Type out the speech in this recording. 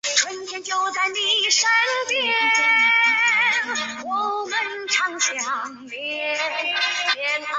建在都江堰渠首的二王庙是老百姓对李冰父子治水伟业的纪念。